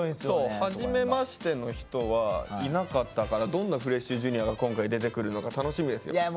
はじめましての人はいなかったからどんなフレッシュＪｒ．が今回出てくるのか楽しみですよ。